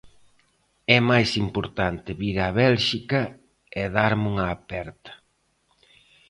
É máis importante vir a Bélxica e darme unha aperta.